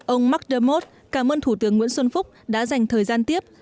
ông mark đermos cảm ơn thủ tướng nguyễn xuân phúc đã dành thời gian tiếp